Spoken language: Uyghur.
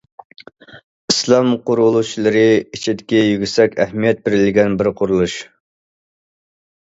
ئىسلام قۇرۇلۇشلىرى ئىچىدىكى يۈكسەك ئەھمىيەت بېرىلگەن بىر قۇرۇلۇش.